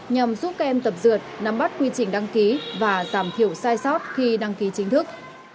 nhằm giúp các em tập dượt nắm bắt quy trình đăng ký và giảm thiểu sai sót khi đăng ký chính thức